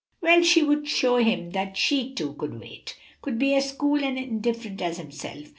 Well, she would show him that she, too, could wait could be as cool and indifferent as himself.